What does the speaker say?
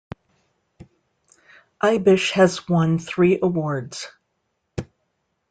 Ibish has won three awards.